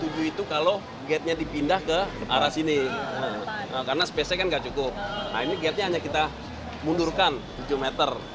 gatnya dipindah ke arah sini karena space nya kan gak cukup nah ini gatnya hanya kita mundurkan tujuh meter